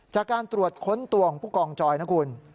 จากการตรวจค้นตัวของผู้กองจอยนะคุณ